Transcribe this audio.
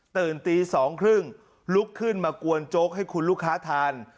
ตื่นตี๒๓๐ลุกขึ้นมากวนโจ๊กให้คุณลูกค้าทาน